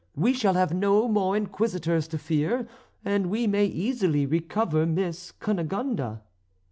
We shall have no more Inquisitors to fear, and we may easily recover Miss Cunegonde."